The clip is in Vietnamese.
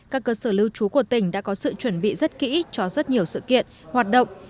các cơ sở lưu trú của tỉnh đã có sự chuẩn bị rất kỹ cho rất nhiều sự kiện hoạt động